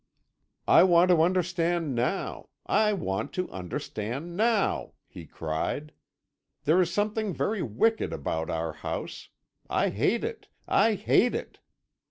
"'I want to understand now I want to understand now!' he cried. 'There is something very wicked about our house. I hate it I hate it!'